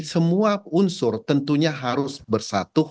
semua unsur tentunya harus bersatu